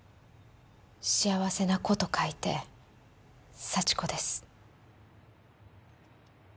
幸せな子と書いて幸子です。